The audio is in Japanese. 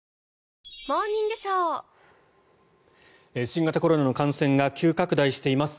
新型コロナの感染が急拡大しています。